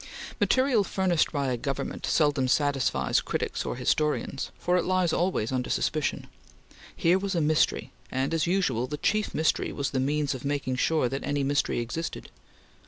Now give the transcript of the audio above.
Material furnished by a government seldom satisfies critics or historians, for it lies always under suspicion. Here was a mystery, and as usual, the chief mystery was the means of making sure that any mystery existed.